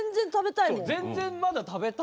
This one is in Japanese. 全然まだ食べたく。